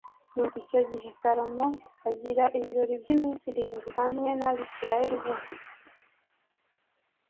nuko icyo gihe salomo agira ibirori by’iminsi irindwi hamwe n’abisirayeli bose,